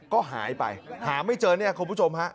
ก็หายไปหาไม่เจอเนี่ยคุณผู้ชมฮะ